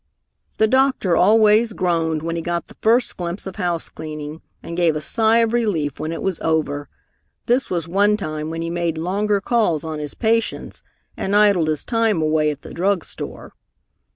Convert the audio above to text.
The doctor always groaned when he got the first glimpse of housecleaning, and gave a sigh of relief when it was over. This was one time when he made longer calls on his patients and idled his time away at the drug store.